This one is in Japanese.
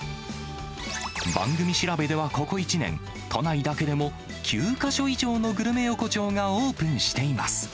番組調べではここ１年、都内だけでも９か所以上のグルメ横丁がオープンしています。